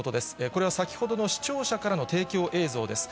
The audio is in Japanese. これは先ほどの視聴者からの提供映像です。